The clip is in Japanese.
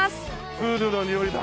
プールのにおいだ！